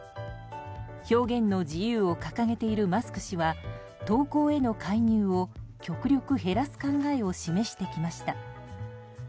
表現の自由を掲げているマスク氏は投稿への介入を極力減らす考えを示してきました。